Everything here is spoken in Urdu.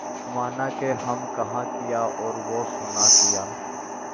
مانا کہ تم کہا کیے اور وہ سنا کیے